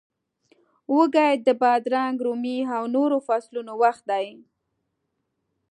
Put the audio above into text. وږی د بادرنګ، رومي او نورو فصلونو وخت وي.